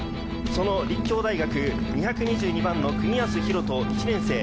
その立教大学、２２２番の國安広人１年生。